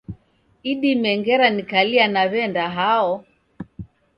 Idime ngera nikalia naw'enda hao